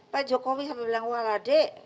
pak jokowi sampai bilang wah lade